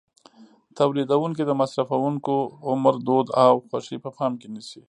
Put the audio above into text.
تولیدوونکي د مصرفوونکو عمر، دود او خوښې په پام کې نیسي.